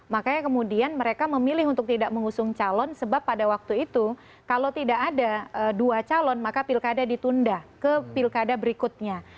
makanya kemudian mereka memilih untuk tidak mengusung calon sebab pada waktu itu kalau tidak ada dua calon maka pilkada ditunda ke pilkada berikutnya